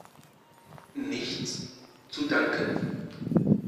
Nichts zu danken!